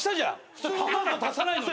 普通の女の子足さないのに。